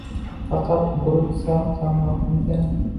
Faqaat guruch sal kamroqmikan